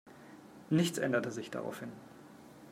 Nichts änderte sich daraufhin.